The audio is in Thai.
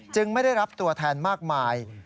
ไม่ได้รับตัวแทนมากมาย